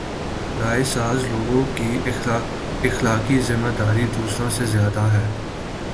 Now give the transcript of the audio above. رائے ساز لوگوں کی اخلاقی ذمہ داری دوسروں سے زیادہ ہے۔